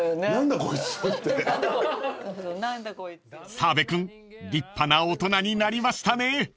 ［澤部君立派な大人になりましたね］